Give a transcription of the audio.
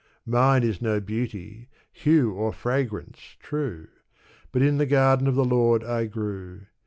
Mine is no beauty, hue, or fragrance, true ! But in the garden of the Lord I grew."